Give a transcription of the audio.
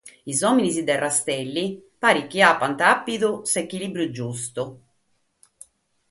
Sos òmines de Rastelli paret chi apant àpidu s'echilìbriu giustu.